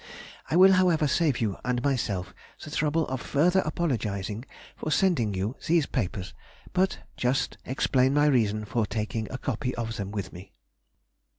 I will, however, save you and myself the trouble of further apologising for sending you these papers, but just explain my reason for taking a copy of them with me.